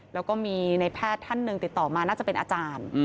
แล้วก็มีในแพทย์ท่านหนึ่งติดต่อมาน่าจะเป็นอาจารย์